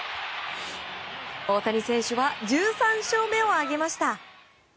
大谷選手は１３勝目を挙げました。